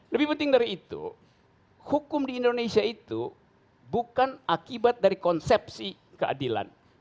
lebih penting dari itu hukum di indonesia itu bukan akibat dari konsepsi keadilan